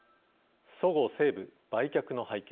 そごう・西武、売却の背景